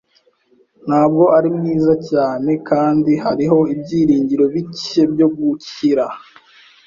Ntabwo ari mwiza cyane, kandi hariho ibyiringiro bike byo gukira